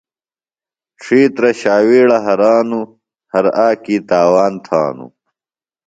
ڇھیترہ شاویڑہ ہرانوۡ، ہر آکی تاوان تھانوۡ